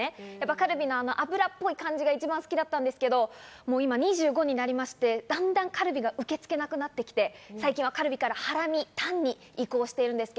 カルビの脂っぽい感じが一番好きだったんですけど、今、２５歳になりまして、だんだんカルビが受け付けなくなってきて、最近はカルビからハラミ、タンに移行しているんですが。